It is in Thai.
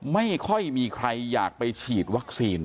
ไม่ค่อยมีใครอยากไปฉีดวัคซีน